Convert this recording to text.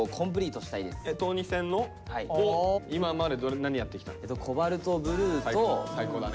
今まで何やってきたの？